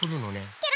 ケロ。